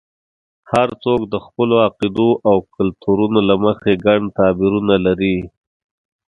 هر څوک د خپلو عقیدو او کلتورونو له مخې ګڼ تعبیرونه لري.